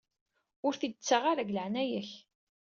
Ur t-id-ttaɣ ara deg leɛnaya-k.